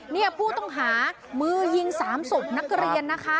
นี่ผู้ต้องหามือยิง๓ศพนักเรียนนะคะ